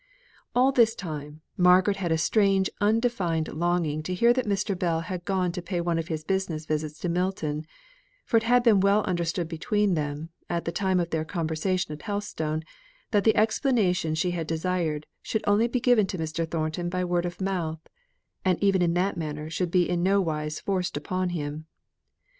All this time Margaret had a strange undefined longing to hear that Mr. Bell had gone to pay one of his business visits to Milton; for it had been well understood between them, at the time of their conversation at Helstone, that the explanation she had desired should only be given to Mr. Thornton by word of mouth, and even in that manner should be in nowise forced upon him.